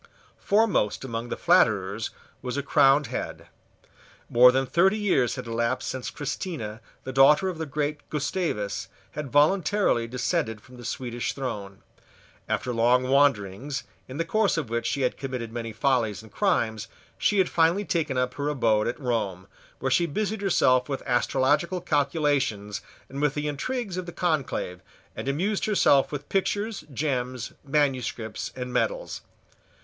Foremost among the flatterers was a crowned head. More than thirty years had elapsed since Christina, the daughter of the great Gustavus, had voluntarily descended from the Swedish throne. After long wanderings, in the course of which she had committed many follies and crimes, she had finally taken up her abode at Rome, where she busied herself with astrological calculations and with the intrigues of the conclave, and amused herself with pictures, gems, manuscripts, and medals.